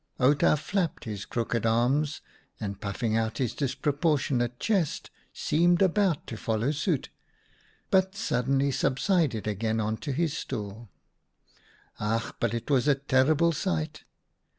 Outa, flapping his crooked arms and puffing out his disproportionate chest, seemed about to follow suit, but suddenly subsided again on to his stool. " Ach, but it was a terrible sight